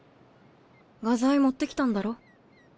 画材持ってきたんだろ？